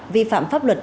vi phạm pháp luật